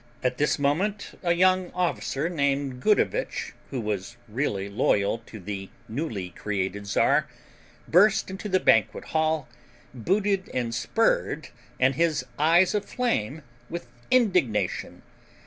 At this moment a young officer named Gudovitch, who was really loyal to the newly created Czar, burst into the banquet hall, booted and spurred and his eyes aflame with indignation.